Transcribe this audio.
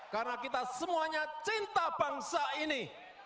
karena kita semuanya cinta bangsa ini